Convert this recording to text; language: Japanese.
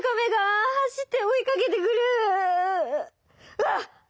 うわっ！